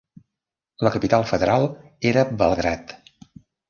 La capital federal era Belgrad.